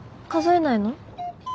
数えないの？